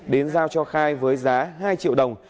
đến giao cho khai với giá hai triệu đồng